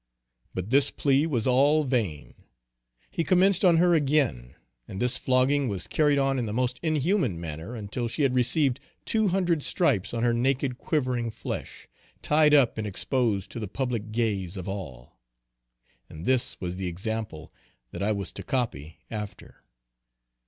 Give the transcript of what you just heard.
But this plea was all vain. He commenced on her again; and this flogging was carried on in the most inhuman manner until she had received two hundred stripes on her naked quivering flesh, tied up and exposed to the public gaze of all. And this was the example that I was to copy after.